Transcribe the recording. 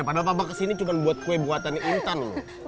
padahal apa kesini cuma buat kue buatan intan